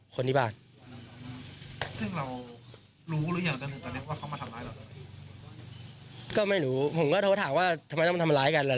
ก็ไม่รู้ผมก็โทรถามว่าทำไมต้องมาทำร้ายกัน